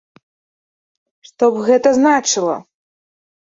Што б гэта значыла?